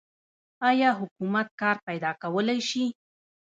آیا حکومت کار پیدا کولی شي؟